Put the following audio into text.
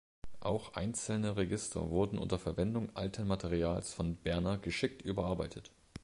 Auch einzelne Register wurden unter Verwendung alten Materials von Berner geschickt überarbeitet.